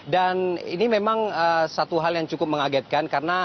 dan ini memang satu hal yang cukup mengagetkan